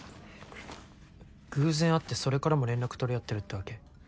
偶然会ってそれからも連絡取り合ってるってわけ？